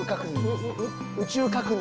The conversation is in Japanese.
宇宙確認。